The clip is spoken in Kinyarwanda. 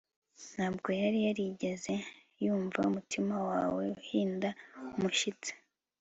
Ntabwo yari yarigeze yumva umutima wawe uhinda umushyitsi